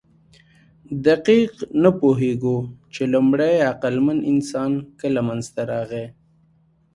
دقیق نه پوهېږو، چې لومړی عقلمن انسان کله منځ ته راغی.